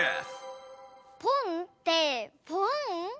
「ポン」ってポン？